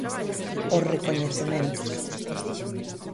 Os recoñecementos.